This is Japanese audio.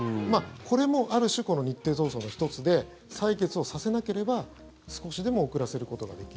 これもある種、日程闘争の１つで採決をさせなければ少しでも遅らせることができる。